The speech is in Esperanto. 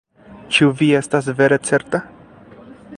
Ĉu vi estas vere certa?